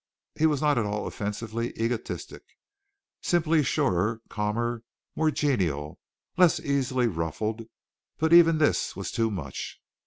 He was not at all offensively egotistic simply surer, calmer, more genial, less easily ruffled; but even this was too much.